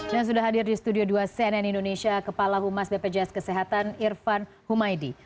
dan sudah hadir di studio dua cnn indonesia kepala humas bpjs kesehatan irfan humaydi